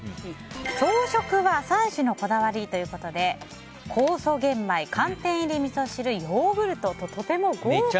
朝食は３種のこだわりということで酵素玄米、寒天入りみそ汁ヨーグルトと、とても豪華。